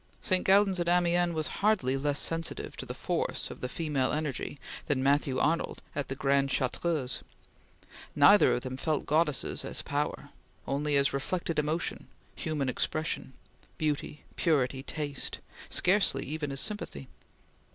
St. Gaudens at Amiens was hardly less sensitive to the force of the female energy than Matthew Arnold at the Grande Chartreuse. Neither of them felt goddesses as power only as reflected emotion, human expression, beauty, purity, taste, scarcely even as sympathy.